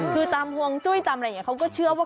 คือตามฮวงจุ้ยยิ่งว่า